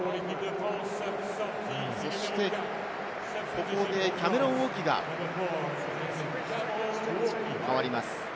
ここでキャメロン・ウォキが代わります。